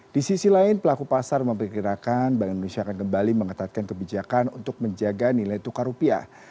di sisi lain pelaku pasar memperkirakan bank indonesia akan kembali mengetatkan kebijakan untuk menjaga nilai tukar rupiah